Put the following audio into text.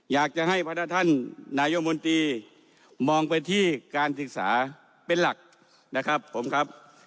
อยากจะให้พระท่านนายมนตรีมองไปที่การศึกษาเป็นหลักนะครับผมครับ